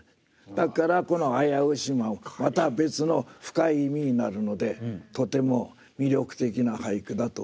だからこの「あやふし」もまた別の深い意味になるのでとても魅力的な俳句だと思いました。